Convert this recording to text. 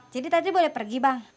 jadi tati boleh pergi bang